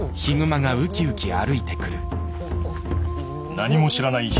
何も知らない悲